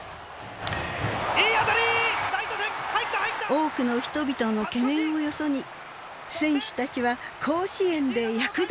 多くの人々の懸念をよそに選手たちは甲子園で躍動します。